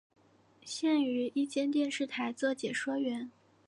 现于一间电视台做解说员。